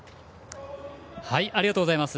ありがとうございます。